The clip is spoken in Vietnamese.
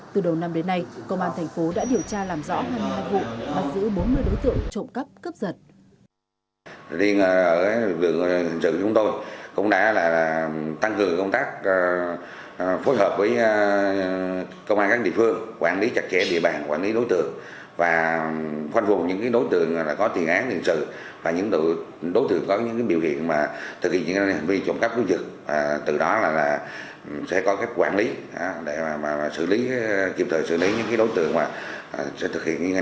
từ đầu năm đến nay công an tp nhcm đã điều tra làm rõ hai mươi hai vụ mà giữ bốn mươi đối tượng trộm cắp cướp giật